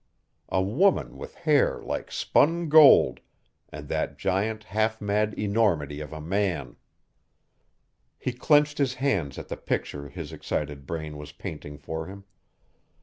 A woman with hair like spun gold and that giant half mad enormity of a man! He clenched his hands at the picture his excited brain was painting for him.